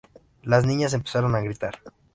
Las niñas empezaron a gritar.